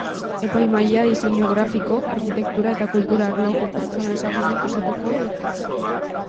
Epaimahaia diseinu grafiko, arkitektura eta kultura arloko pertsona ezagunek osatuko dute.